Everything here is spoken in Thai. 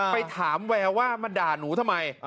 ไปถามแววว่ามาด่าหนูทำไม